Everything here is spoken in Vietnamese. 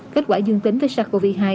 kết quả dương tính với sars cov hai